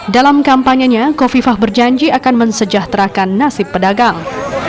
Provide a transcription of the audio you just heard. dalam kampanyenya kofifah berjanji akan mensejahterakan nasib pedagang